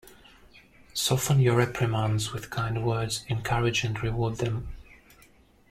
Soften your reprimands with kind words; encourage and reward them.